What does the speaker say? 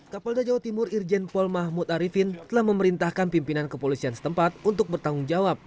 kapolda jawa timur irjen pol mahmud arifin telah memerintahkan pimpinan kepolisian setempat untuk bertanggung jawab